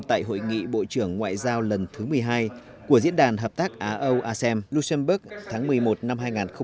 tại hội nghị bộ trưởng ngoại giao lần thứ một mươi hai của diễn đàn hợp tác a âu a sem luxembourg tháng một mươi một năm hai nghìn một mươi năm